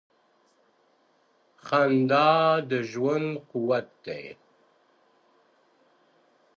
• خندا د ژوند قوت دی.